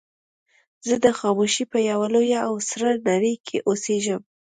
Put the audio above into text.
زه د خاموشۍ په يوه لويه او سړه نړۍ کې اوسېږم.